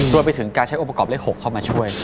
รวมไปถึงการใช้องค์ประกอบเลข๖เข้ามาช่วย